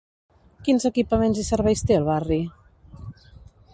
Quins equipaments i serveis té el barri?